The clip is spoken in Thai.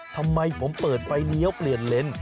ทำไมผมเปิดไฟเลี้ยวเปลี่ยนเลน